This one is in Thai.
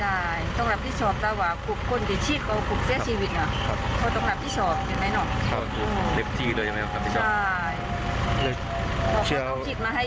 ใช่ต้องรับผิดชอบต่อหวะ